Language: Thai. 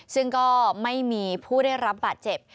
ซึ่งก็ไม่มีผู้ได้รับบาดเจ็บ